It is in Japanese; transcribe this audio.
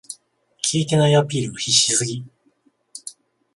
効いてないアピールが必死すぎ